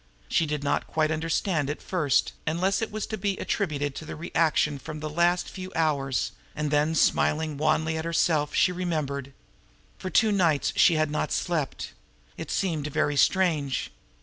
She did not quite understand at first, unless it was to be attributed to the reaction from the last few hours and then, smiling wanly to herself, she remembered. For two nights she had not slept. It seemed very strange.